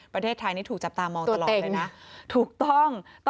ประเทศไทยนี่ถูกจับตามองตลอดเลยนะถูกต้อง